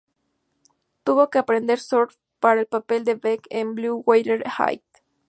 Tuvo que aprender surf para el papel de Bec en "Blue Water High".